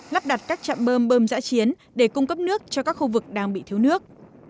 lắp đặt các trạm bơm giã chiến để cung cấp nước cho các khu vực đang bị thiếu nước